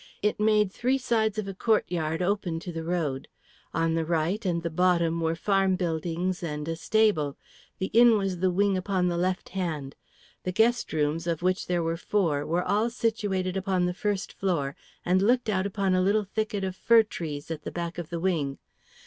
It made three sides of a courtyard open to the road. On the right and the bottom were farm buildings and a stable; the inn was the wing upon the left hand. The guest rooms, of which there were four, were all situated upon the first floor and looked out upon a little thicket of fir trees at the back of the wing.